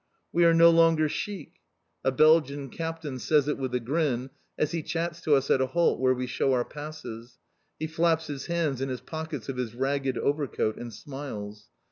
"We are no longer chic!" A Belgian Captain says it with a grin, as he chats to us at a halt where we shew our passes. He flaps his hands in his pockets of his ragged overcoat and smiles.